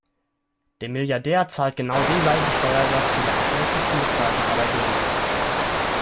Der Milliardär zahlt genau den gleichen Steuersatz wie der am schlechtesten bezahlte Arbeitnehmer.